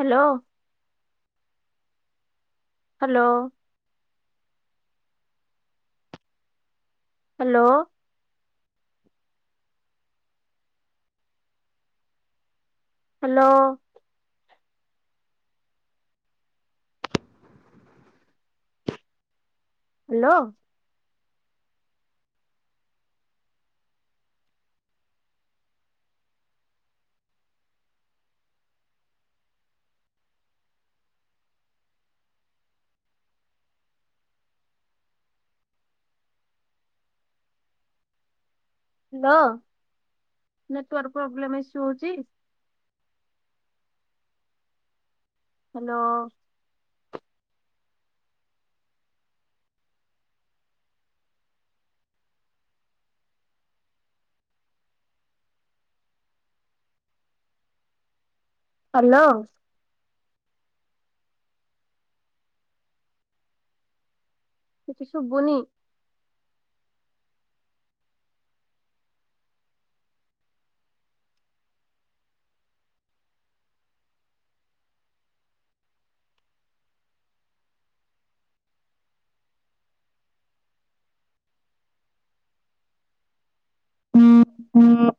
Hello? Hello? Hello? Hello? Hello. Hello? Network problem issue ହଉଛି? Hello? Hello? କିଛି ଶୁଭୁନି। [unintelligible]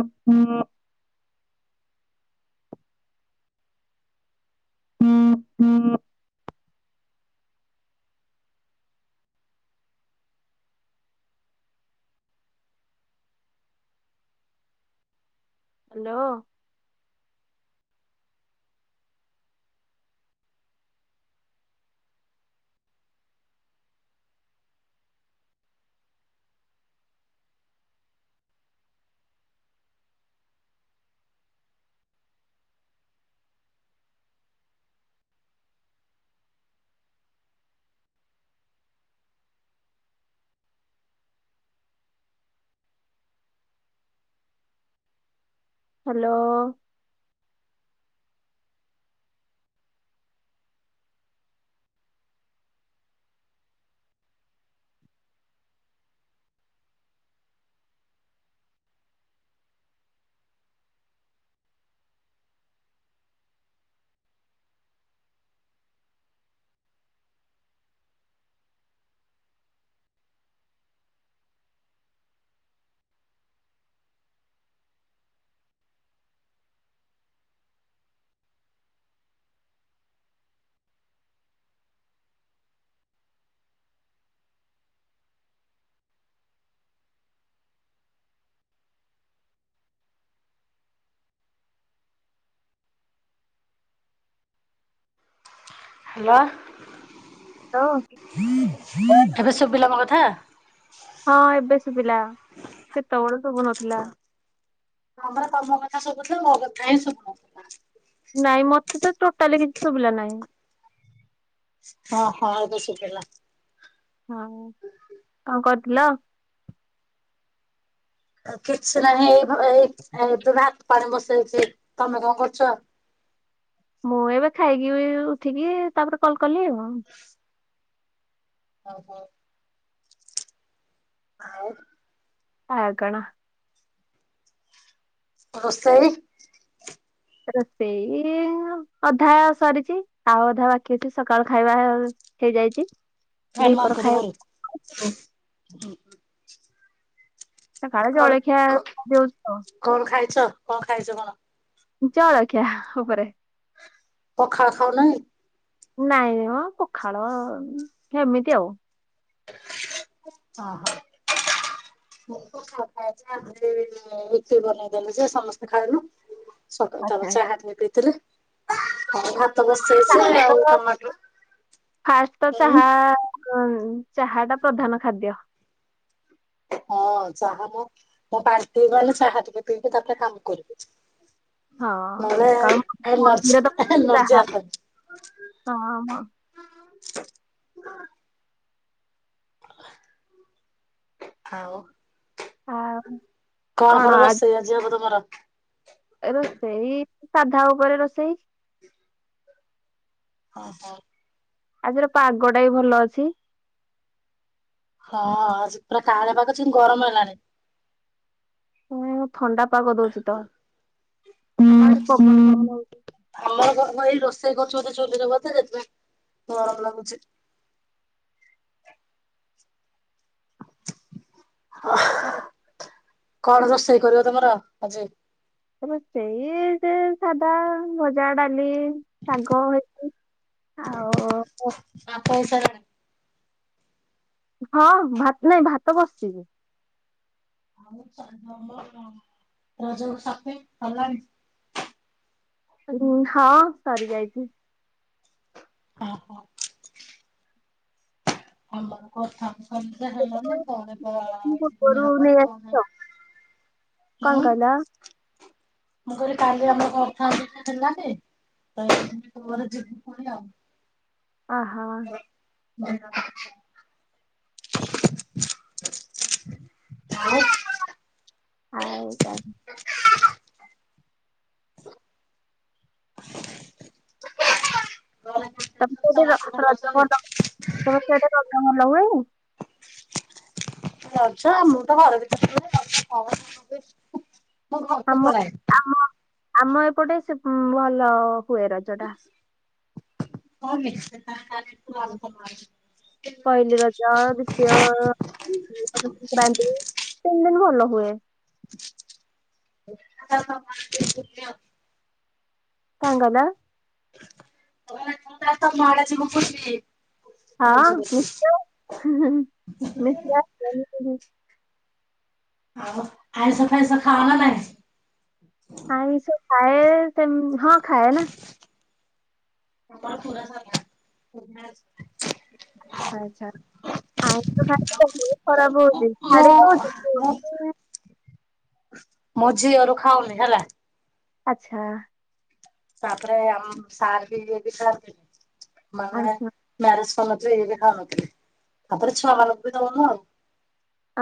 [unintelligible] [unintelligible] Hello? Hello? Hello. Hello. ଏବେ ଶୁଭିଲା ମୋ କଥା? ହଁ, ଏବେ ଶୁଭିଲା। ସେତେବେଳୁ ଶୁଭୁ ନଥିଲା। ହଁ, ପରା ତମ କଥା ଶୁଭୁଥିଲା। ମୋ କଥା ହିଁ ଶୁଭୁ ନଥିଲା। ନାଇଁ ମତେ ତ ଟୋଟାଲି କିଛି ଶୁବିଲା ନାହିଁ। ହଁ ହଁ ଏବେ ଶୁଭିଲା। ହଁ ଆଉ କଣ କରୁଥିଲ? କିଛି ନାହିଁ ଏଇ ଏଇ ଏବେ ଭାତ ପାଣି ବସେଇଛି। ତମେ କଣ କରୁଛ? ମୁଁ ଏବେ ଖାଇକି ଉଠିକି ତାପରେ କଲ୍ କଲି ଆଉ। ହଉ ହଉ। ଆଉ? ଆଉ କଣ? ରୋଷେଇ? ରୋଷେଇ ଅଧା ସରିଚି ଆଉ ଅଧା ବାକି ଅଛି। ସକାଳୁ ଖାଇବା। ହେଇଯାଇଚି। [unintelligible] ସକାଳେ କଣ ଜଳଖିଆ କ ଦଉଛି ତ। କଣ ଖାଇଚ କଣ ଖାଇଚ କଣ? ଜଳଖିଆ ଉପରେ। ପଖାଳ ଖାଉନ କି। ନାଇଁ ମ ପଖାଳ ଏମିତି ଆଉ। ଓହୋ। [unintelligible] ଆ ଏତେ ବନେଇଦେଲୁ ଯେ ସମସ୍ତେ ଖାଇଲୁ। ସକାଳୁ ତାର ଚାହା ପି ଦେଇଥିଲ ଆଉ ଭା ତ ବସେଇଚି ଆଉ ତ ଟମାଟୋ ହଁ। ହଁ ଚାହା ଟା ପ୍ରଧାନ ଖାଦ୍ୟ। ହଁ ଚାହା ମୁଁ ମୋ ପାଇଟିକି ଗଲେ ଚାହା ଟିକେ ପିଇବି ତାପରେ କାମ କରିବି। ହଁ ନହେଲେ ସକାଳ ଏନ୍ ମର୍ଣ୍ଣିଂରେ ଏନ୍ ଏନର୍ଜି ଆସିବନି। ହ ମ। ଆଉ ଆଉ କଣ କଣ ରୋଷେଇ ଆଜିି ହବ ତମର? ଏ ରୋଷେଇ ସାଧା ଉପରେ ରୋଷେଇ। ହଁ ହଁ। ଆଜିର ପାଗ ଟା ବି ଭଲ ଅଛି। ହଁ ଆଜି ପୁରା କାଉଁଲିଆ ପାଗ କରିଚି କିନ୍ତୁ ଗରମ ହେଲାଣି। ଥଣ୍ଡା ପାଗ ଦଉଛି ତ ହୁଁ ହୁଁ ପ ଆମର ଘର ଏଇ ରୋଷେଇ କରୁଚି ବଧେ ଚୁଲିରେ ବଧେ ସେଥିପାଇଁ ଗରମ ଲାଗୁଚି। ହଁ। ହଁ। କଣ ରୋଷେଇ କରିବ ତମର ଆଜି। ରୋଷେଇ ଯେ ସାଧା ଭଜା ଡାଲି ଶାଗ ହେଇଚି। ଆଉ। ଭାତ ହୋଇଆସିଲାଣି? ହଁ ଭାତ ନାଇଁ ଭାତ ବସିଚି ବି। [unintelligible] ହଁ ସରି ଯାଇଚି। ଓହୋ। ହଁ ବା କଥା। ପୂର୍ବରୁ ନେଇ ଆସିଛ [unintelligible] କଣ କହିଲ? ମୁଁ କହିଲି କାଲି ଆମ ଅଥା ହେଲାନି। [unintelligible] ଓହୋ। ଭଜା। ଆଉ। ଆଉ କଣ? ଘରେ ସମସ୍ତେ [unintelligible] ଭଲ ରଜ ଅଛନ୍ତି? ଭଲ [unintelligible] ରଜ ଆମର ତ ଘର ଭିତରେ ଆମ [unintelligible] ଆମ ଆମ ଏପଟେ ସେ ଭଲ ହୁଏ ରଜ ଟା। ହଁ ନିଶ୍ଚୟ [inaudible] ପହିଲ ରଜ୍ ଜ ଦ୍ୱିତୀୟ ରଜ ସଂକ୍ରାନ୍ତି, ତିନି ଦିନ ଭଲ ହୁଏ। [inaudible] କଙ୍ଗନା। ତମର [inaudible] ଆଡ଼େ ଯିବୁ ବୁଲ୍ଲୀ। ହଁ, ନିଶ୍ଚୟ ହଁ-ହଁ ନିଶ୍ଚୟ ଆସିବ। ନି [unintelligible] ଆଉ, ଆଇଁଷ ଫାଇଁଷ ଖାଅନା ନାହିଁ? ଆଇଁଷ ଖାଏ-ଏ ସେମ୍ ହଁ ଖାଏନା। ତମେ ପୁରା ସାଧା [inaudible] ଆଚ୍ଛା, ଆଇଁଷ ଖାଇଦେଲେ ଦେହ ଖରାପ ହଉଛି, ମୁଁ ଛାଡିଦଉଛି ମୁଁ ମ ଝିଅରୁ ଖାଉନି ହେଲା ଆଚ୍ଛା। ତା'ପରେ ଆମ ସାର୍ ବି ଇଏବି ଖାଆନ୍ତି, ମାନେ ଓହୋ ମ୍ୟାରେଜ୍ କରିନଥିଲେ ଇଏବି ଖାଉନଥିଲେ। ତା'ପରେ ଛୁଆମାନଙ୍କୁବିି ଦଉନଥିଲୁ ଆଉ।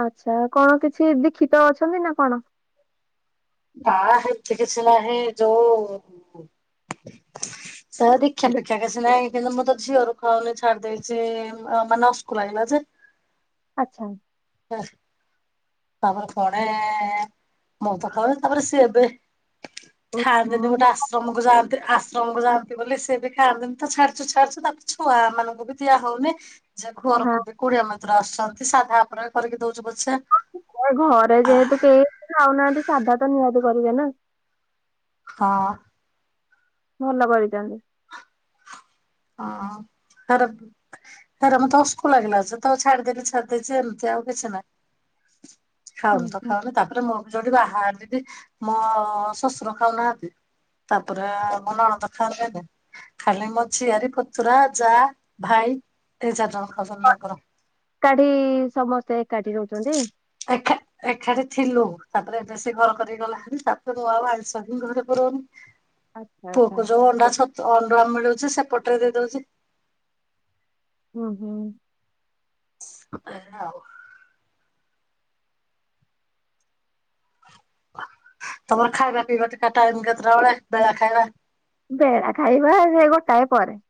ଆଚ୍ଛା, କଣ କିଛି ଦୀକ୍ଷିତ ଅଛନ୍ତିନା କଣ? ବା ହେଇ ତି କିଛି ନାହିଁ ଯୋଉ-ଉ ସାର୍ ଦୀକ୍ଷା ଦୀ- ଫୀକ୍ଷ୍ୟା କିଛିନାହିଁ। କିନ୍ତୁ ମୁଁତ ଝିଅରୁ ଖାଉନି ଛାଡି ଦେଇଛି, ମାନେ ଅସୁକୁ ଲାଗିଲା ଯେ। ଆଚ୍ଛା। [inaudible] ତା'ପରେ ପୁଣି-ଇ ମୁଁ ତ ଖାଉନି, ତା'ପରେ ସିଏ ବି ଖାଆନ୍ତିିନି ଗୋଟେ ଓହୋ ଆସ୍ ଆଶ୍ରମକୁ ଯାଆନ୍ତି, ଆଶ୍ରମକୁ ଯାଆନ୍ତି ବୋଲି, ସିଏବି ଖାଆନ୍ତିନିତ ଛାଡୁଚୁ ଛାଡଚୁ ତା ଛୁଆ ମାନଙ୍କୁବି ଦିଆ ହଉନି। ଯେ ହଁ ଘରକୁବି କୁଣିଆ ମଇତ୍ର ଆସୁଛନ୍ତି ସାଧା ଉପରେ କରିକି ଦଉଛୁ ପଛେ ଘରେ ଯେହେତୁ କେହି ଖାଉନାହାଁନ୍ତି, ସାଧାତ ନିହାତି କରିବେନା। ହଁ। ଭଲ କରିଚନ୍ତି। ହଁ, ତାର ଛାଡ ମତେ ଅସକୁ ଲାଗିଲା, ସେତ ଛାଡିଦେଲି, ଛାଡିଦେଇଛି ଏମିତି ଆଉ କିଛି ନାହିଁ। ହୁଁ ଖାଉନିତ ହୁଁ। ଖାଉନି, ତା'ପରେ ମୁଁ ବି ଯୋଉଠି ବାହାହେଲି ବି, ମୋ ଶ୍ୱଶୁର ଖାଉନାହାଁନ୍ତି। ତା'ପରେ ମ ନଣଦ ଖାଆନ୍ତିନି। ଖାଲି ମ ଝିଆରି, ପତୁରା, ଯା, ଭାଇ ଏ ଚାରିଜଣ ଖାଉଛନ୍ତି ତାଙ୍କର। କାଠି- ଇ ସମସ୍ତେ ଏକାଠି ରହୁଛନ୍ତି? ଏଖା ଏକାଠେ ଥିଲୁ। ତା'ପରେ ଯେସେ ଘରକରି ଗଲା ହାରି। ତା'ପରେ ମୁଁ ଆଉ ଆଇଷ ହିଁ ଘରେ ପୁରଉନି। [unintelligible] ଆଚ୍ଛା। ପୁଅକୁ ଯୋଉ ଅଣ୍ଡା ଛତ୍ ଅଣ୍ଡା ମିଳୁଛି, ସେପଟରେ ଦେଇଦଉଛି। ହୁଁ-ହୁଁ। ଏହା ଉ ତମର ଖାଇବା ପିଇବା ଟାଇମ୍ କେତେଟାବେଳେ ବେଳା ଖାଇବା? ବେଳା ଖାଇବା ସେ ଗୋଟାଏ ପରେ।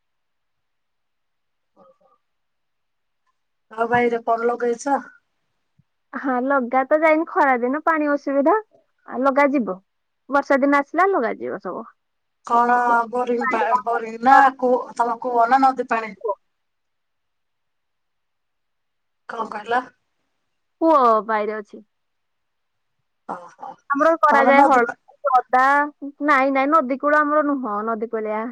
[unintelligible] ଆଉ ବାଇରେ କଣ ଲଗେଇଛ? ହଁ, ଲଗାତ ଯାଇନି, ଖରାଦିନ ପାଣି ଅସୁବିଧା ଆ ଲଗାଯିବ। ବର୍ଷା ଦିନ ଆସିଲା ଲଗାଯିବ ସବୁ କଣ ବୋରିଙ୍ଗ ପା ବୋରିଙ୍ଗନା କୂଅ ତମ କୂଅନା ନଦୀପାଣି କଣ କହିଲ? କୂଅ ବାଇରେ ଅଛି ଓହୋ ଆମର ତମର କରାଯାଏ ନଦୀ ପା ହଳଦୀ ଅଦା ନାଇଁ ନାଇଁ ନଦୀ କୂଳ ଆମର ନୁହଁ ନଦୀ କୂଳିଆ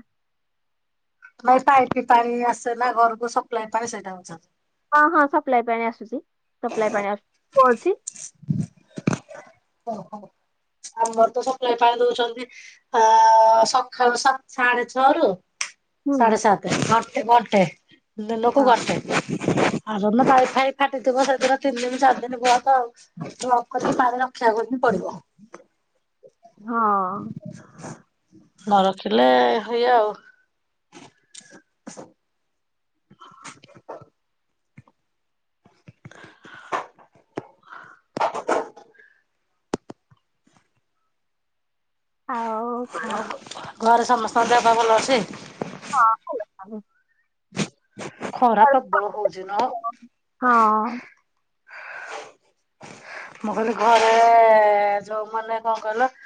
ନାଇଁ ପାଇପି ପାଣି ଆସେନା ଘରକୁ ସପ୍ଲାଏ ପାଣି ସେଇଟା ପଚାରୁଚି ହଁ ହଁ ସପ୍ଲାଇ ପାଣି ଆସୁଛି ସପ୍ଲାଇ ପାଣି ଆସୁଛି କୂଅଅଛି। ଓହୋ ଆମର ତ ସପ୍ଲାଇ ପାଣି ଦଉଛନ୍ତି। ଅ ସକାଳୁ ସା ସାଢେ ଛରୁ ହୁଁ ସାଢେ ସାତ ଘଣ୍ଟେ ଘଣ୍ଟେ ଦିନକୁ ହଁ ଗଣ୍ଟେ। ଆଉ ଯୁ ଦୀନ ପାଇପ୍ ଫାଇପି ଫାଟିଥିବ ସେ ପୁରା ତିନି ଦିନ ଚାରି ଦିନ ବନ୍ଦ ଆଉ ଷ୍ଟକ୍ କରିକି ପାଣି ରଖିବାକୁ ପଡିବ। ହଁ। ନ ରଖିଲେ ହେୟା ଆଉ। ଆଉ ଆଉ ଘ ଘରେ ସମସ୍ତଙ୍କ ଦେହ ପା ଭଲ ଅଛି? ହଁ ଭଲ ସବୁ। ଖରା ପ୍ରବଳ ହଉଛି ନୁହ? ହଁ ମୁଁ କହିଲି ଘରେ ଯୋଉମାନେ କଣ କହିଲ?